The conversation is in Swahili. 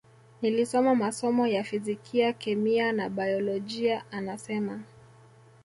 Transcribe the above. Nilisoma masomo ya fizikia kemia na baiolojia anasema